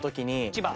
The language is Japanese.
千葉。